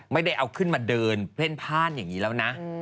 ไม่ได้เอาขึ้นมาเดินเพ่นพ่านอย่างนี้แล้วนะ